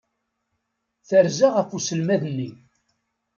Terza ɣef uselmad-nni.